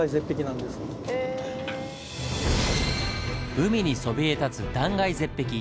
海にそびえ立つ断崖絶壁。